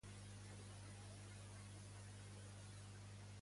Podries anotar aquest correu d'en Josep és nou.